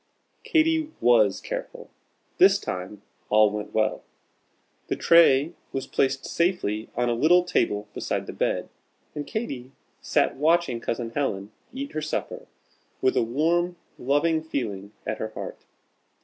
Katy was careful. This time all went well. The tray was placed safely on a little table beside the bed, and Katy sat watching Cousin Helen eat her supper with a warm, loving feeling at her heart.